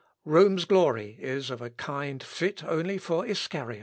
Rome's glory is of a kind fit only for Iscariots....